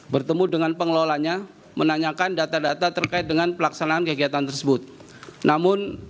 bertemu dengan pengelolanya menanyakan data data terkait dengan pelaksanaan kegiatan tersebut namun